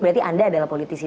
berarti anda adalah politisi